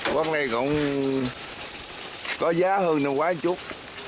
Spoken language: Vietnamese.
quất này cũng có giá hơn năm qua chút